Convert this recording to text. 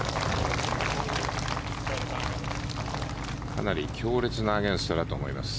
かなり強烈なアゲンストだと思います。